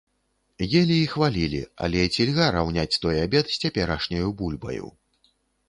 Елі і хвалілі, але ці льга раўняць той абед з цяперашняю бульбаю?